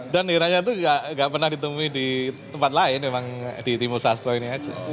dan niranya itu gak pernah ditemui di tempat lain memang di timur sastra ini aja